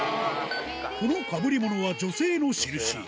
このかぶりものは女性の印